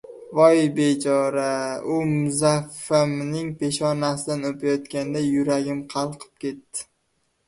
Voy, bechora! - U Muzaffaming peshonasidan o‘payotganda yuragim qalqib ketdi.